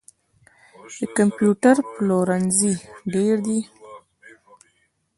د کمپیوټر پلورنځي ډیر دي